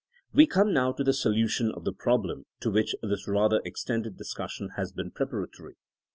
We come now to the solution of the problem to which this rather extended discussion has been preparatory.